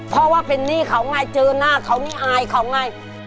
เพราะว่าเป็นหนี้เขาไงเจอหน้าเขานี่อายเขาไง